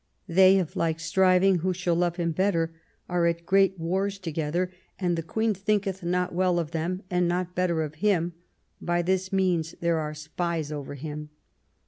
They, of like striving who shall love him better, are at great wars together, and the Queen thinketh not well of them, and not better of him : by this means there are spies over him.